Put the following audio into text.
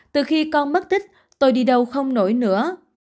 từ khi con mất tích tôi đi đâu không nổi nữa